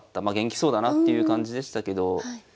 まあ元気そうだなっていう感じでしたけど。